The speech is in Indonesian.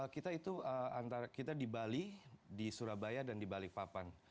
kita di bali di surabaya dan di balikpapan